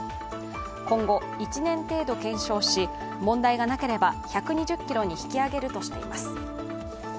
今後、１年程度検証し問題がなければ１２０キロに引き上げるとしています。